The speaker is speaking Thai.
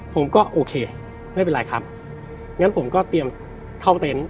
ผมก็โอเคไม่เป็นไรครับงั้นผมก็เตรียมเข้าเต็นต์